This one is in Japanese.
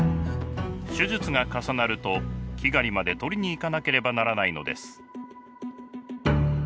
手術が重なるとキガリまで取りに行かなければならないのです。